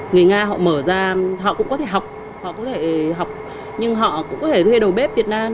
người nga họ mở ra họ cũng có thể học họ có thể học nhưng họ cũng có thể thuê đầu bếp việt nam